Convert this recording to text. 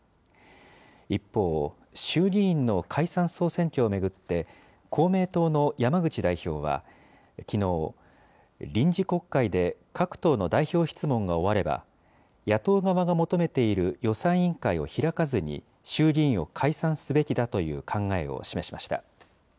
一方、衆議院の解散・総選挙を巡って、公明党の山口代表は、きのう、臨時国会で各党の代表質問が終われば、野党側が求めている予算委員会を開かずに、衆議院を解散すべきだという考えを示しました。